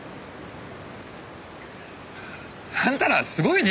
あんたらすごいね！